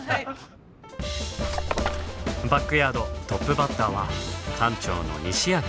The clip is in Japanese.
バックヤードトップバッターは館長の西秋良宏さん。